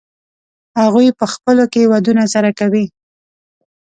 هغوی په خپلو کې ودونه سره کوي.